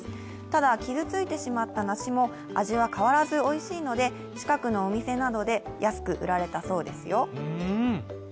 ただ、傷ついてしまった梨も味は変わらず、おいしいので近くのお店などで安く売られたそうですよ。